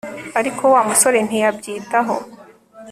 ariko wa musore ntiyabyitaho